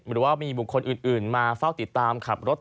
หรือว่ามีบุคคลอื่นมาเฝ้าติดตามขับรถ